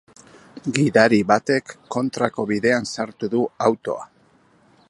Gidari batek kontrako bidean sartu du autoa.